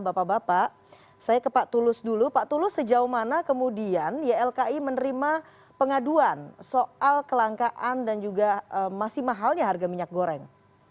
bapak bapak saya ke pak tulus dulu pak tulus sejauh mana kemudian ylki menerima pengaduan soal kelangkaan dan juga masih mahalnya harga minyak goreng